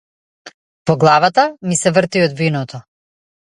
Во главата ми се врти од виното.